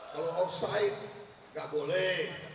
kalau offside tidak boleh